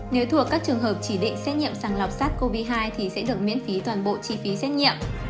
nếu thuộc các trường hợp chỉ định xét nghiệm sàng lọc sát covid một mươi chín thì sẽ được miễn phí toàn bộ chi phí xét nghiệm